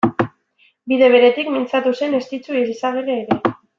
Bide beretik mintzatu zen Estitxu Eizagirre ere.